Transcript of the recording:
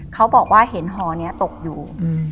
เขาบอกว่าเห็นห่อนี้ตกอยู่